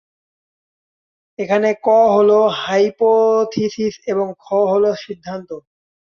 এখানে ক হলো হাইপোথিসিস এবং খ হলো সিদ্ধান্ত।